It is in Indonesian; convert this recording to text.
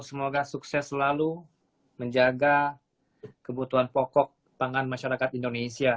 semoga sukses selalu menjaga kebutuhan pokok pangan masyarakat indonesia